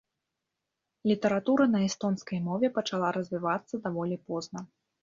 Літаратура на эстонскай мове пачала развівацца даволі позна.